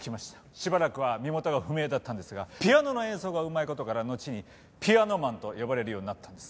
しばらくは身元が不明だったのですがピアノの演奏がうまい事からのちにピアノマンと呼ばれるようになったんです。